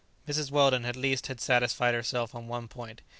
Mrs. Weldon at least had satisfied herself on one point.